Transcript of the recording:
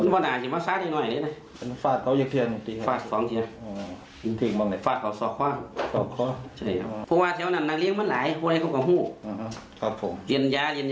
ฝากสองเหรียญที่